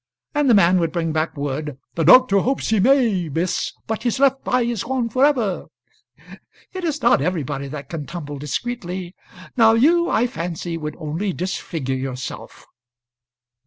And the man would bring back word: 'The doctor hopes he may, miss; but his left eye is gone for ever.' It is not everybody that can tumble discreetly. Now you, I fancy, would only disfigure yourself."